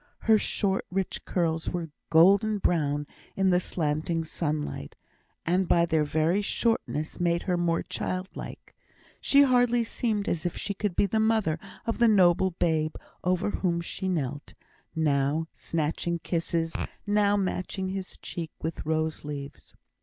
Her short rich curls were golden brown in the slanting sunlight, and by their very shortness made her look more child like. She hardly seemed as if she could be the mother of the noble babe over whom she knelt, now snatching kisses, now matching his cheek with rose leaves.